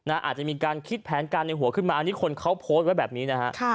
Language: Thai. อาจจะมีการคิดแผนการในหัวขึ้นมาอันนี้คนเขาโพสต์ไว้แบบนี้นะฮะ